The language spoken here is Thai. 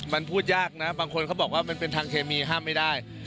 มันพูดยากนะบางคนเขาบอกว่ามันเป็นทางเคมีห้ามไม่ได้